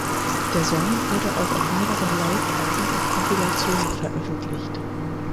Der Song wurde auch auf mehreren Livealben und Kompilationen veröffentlicht.